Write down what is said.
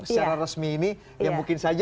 secara resmi ini ya mungkin saja